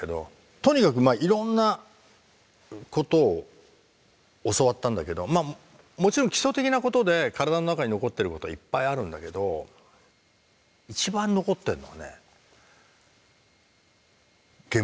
とにかくまあいろんなことを教わったんだけどもちろん基礎的なことで体の中に残ってることはいっぱいあるんだけど一番残ってんのはね